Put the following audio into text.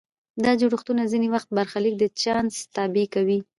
دا جوړښتونه ځینې وخت برخلیک د چانس تابع کوي.